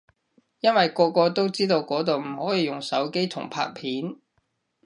因為個個都知嗰度唔可以用手機同拍片